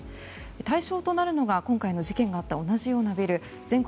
対象となるのが今回の事件が起きた同じようなビル全国